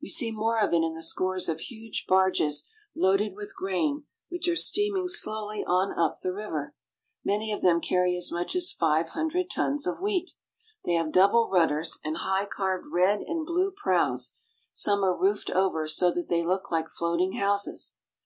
We see more of it in the scores of huge barges loaded with grain which are steaming slowly on up the river. Many of them carry as much as five hundred tons of wheat. They have double rudders, and high carved red and blue prows ; some are roofed over so that they look like floating houses.